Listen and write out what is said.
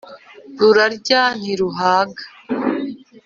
Rurarya ntiruhaga.